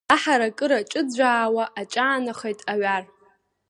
Аҳаракыра ҿыӡәӡәаауа аҿаанахеит аҩар.